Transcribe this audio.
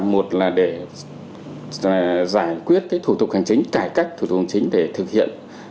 một là để giải quyết thủ tục hành chính cải cách thủ tục hành chính để thực hiện